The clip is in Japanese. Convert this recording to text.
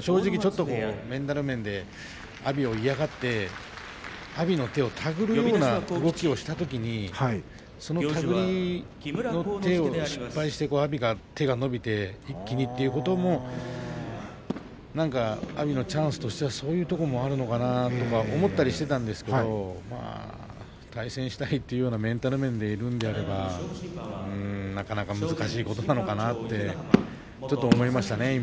正直ちょっとメンタル面で阿炎を嫌がって阿炎の手を手繰るような動きをしたときにそれを失敗して阿炎の手が伸びて一気にということも阿炎のチャンスとしてはそういうところもあるのかなと思っていたんですが対戦したいというメンタル面でいるのであればなかなか難しいことなのかなと思いましたね。